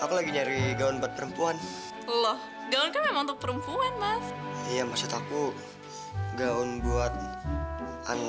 apa dulu gue pernah beli gaun untuk candy